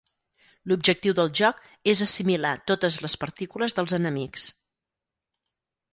L"objectiu del joc és assimilar totes les partícules dels enemics.